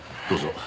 どうぞ。